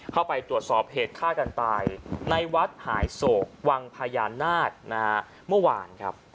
เข้าไปตรวจสอบเหตุฆ่ากันตายในวัดหายโศกวังพญานาคนะฮะเมื่อวานครับ